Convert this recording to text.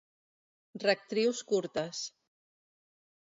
Rectrius curtes.